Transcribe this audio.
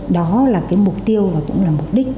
đó là mục tiêu và cũng là mục đích